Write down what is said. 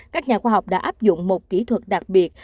các nhà khoa học đã áp dụng một kỹ thuật đặc biệt